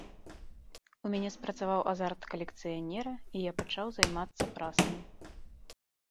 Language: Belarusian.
У мяне спрацаваў азарт калекцыянера, і я пачаў займацца прасамі.